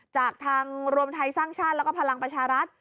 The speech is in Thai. จากทางรวมไทยสร้างชาติแล้วก็พลังประชารัฐ